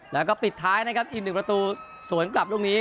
แล้วก็ปิดท้ายนะครับอีกหนึ่งประตูสวนกลับลูกนี้